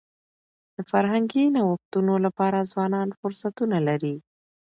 د فرهنګي نوښتونو لپاره ځوانان فرصتونه لري.